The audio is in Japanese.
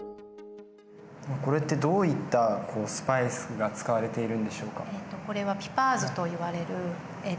これってどういったスパイスが使われているんでしょうか。